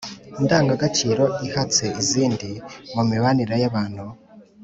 indangagaciro ihatse izindi mu mibanire y’abantu.